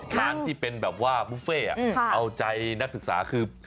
ร้านที่เป็นแบบว่าบุฟเฟ่เอาใจนักศึกษาคือ